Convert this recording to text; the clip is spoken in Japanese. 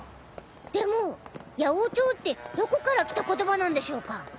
でも「八百長」ってどこから来た言葉なんでしょうか？